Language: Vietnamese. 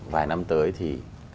vài năm tới thì